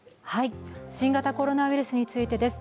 新型コロナウイルスについてです。